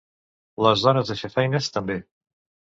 Les dones de fer feines, també.